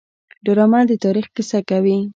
ډرامه د تاریخ کیسه کوي